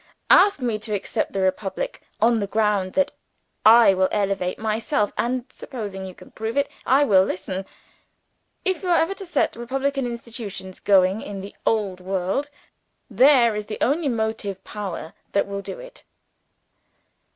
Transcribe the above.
Ask me to accept the republic, on the ground that I elevate Myself and, supposing you can prove it, I will listen to you. If you are ever to set republican institutions going, in the Old World there is the only motive power that will do it!"